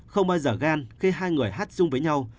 không bao giờ gan khi hai người hát dung với nhau